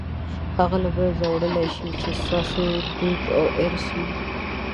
هغه له منځه وړلای شئ چې ستاسو دود او ارث وي.